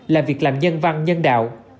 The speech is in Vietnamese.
là việc làm nhân văn nhân đạo